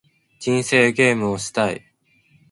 人生ゲームをしたい